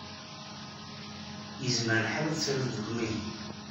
Yezmer lḥal ad tilid deg umihi.